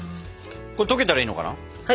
これ溶けたらいいのかな。